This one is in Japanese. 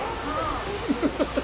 ハハハハ。